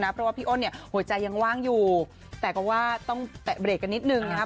เพราะว่าพี่อ้นเนี่ยหัวใจยังว่างอยู่แต่ก็ว่าต้องแตะเบรกกันนิดนึงนะครับ